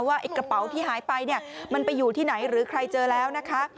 ว่าไอ้กระเป๋าที่หายไปเนี่ยมันไปอยู่ที่ไหนหรือใครเจอแล้วนะคะ